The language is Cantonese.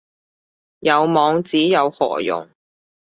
有網址有何用